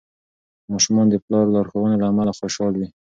ماشومان د پلار لارښوونو له امله خوشحال وي.